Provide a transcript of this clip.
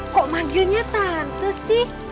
kok manggilnya tante sih